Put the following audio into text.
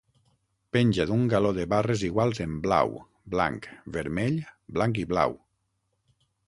Penja d'un galó de barres iguals en blau, blanc, vermell, blanc i blau.